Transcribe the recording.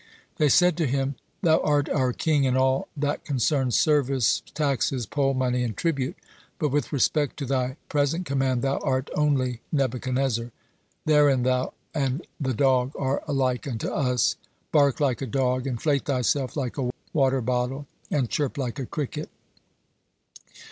They said to him: "Thou art our king in all that concerns service, taxes, poll money, and tribute, but with respect to thy present command thou art only Nebuchadnezzar. Therein thou and the dog are alike unto us. Bark like a dog, inflate thyself like a water bottle, and chirp like a cricket."